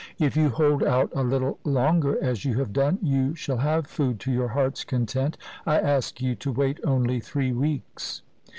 If you hold out a little longer as you have done, you shall have food to your heart's content. I ask you to wait only three weeks.'